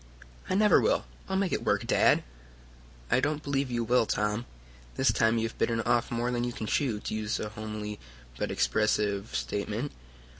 "I never will. I'll make it work, Dad!" "I don't believe you will, Tom. This time you have bitten off more than you can chew, to use a homely but expressive statement."